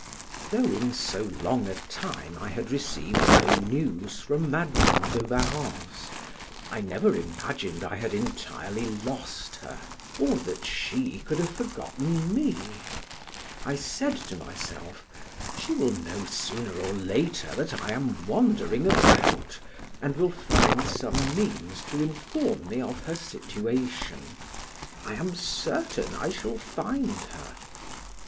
Though in so long a time I had received no news from Madam de Warrens, I never imagined I had entirely lost her, or that she could have forgotten me. I said to myself, she will know sooner or later that I am wandering about, and will find some means to inform me of her situation: I am certain I shall find her.